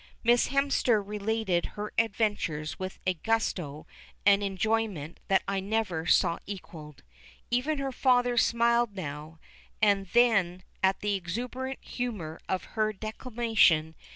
Miss Hemster related her adventures with a gusto and enjoyment that I never saw equalled. Even her father smiled now and then at the exuberant humour of her declamation.